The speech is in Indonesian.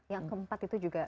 yang keempat itu juga